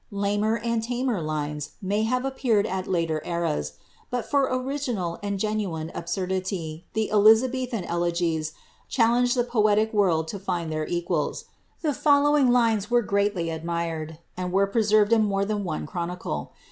Lamer and lamer lines may have appeam! ii later erasj but for original and genuine absurdity, the Elizabethan riesut challenge the poetic world to find their equals. The followinj linn were greatly admired, and were preserved in more than one cbrooii'if.